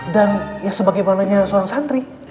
dan ya sebagaimana seorang santri